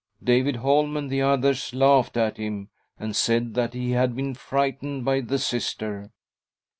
David Holm and the others laughed' at him and said that he had been frightened by the Sister.